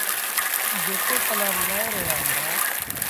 جيڪي ڪلآم ڳآئي رهيآ هُݩدآ۔